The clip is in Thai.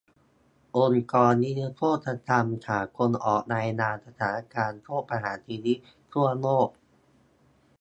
องค์กรนิรโทษกรรมสากลออกรายงานสถานการณ์โทษประหารชีวิตทั่วโลก